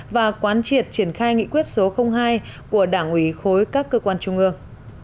và quán triệt triển khai nghị quyết số hai của đảng ủy khối các cơ quan trung ương